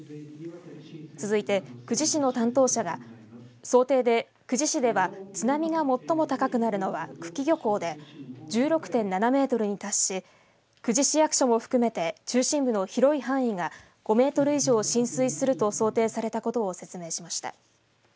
続いて、久慈市の担当者が想定で久慈市では津波が最も高くなるのは久喜漁港で１６．７メートルに達し久慈市役所も含めて中心部の広い範囲が５メートル以上浸水すると想定されたことを説明しました。